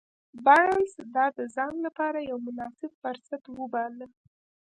بارنس دا د ځان لپاره يو مناسب فرصت وباله.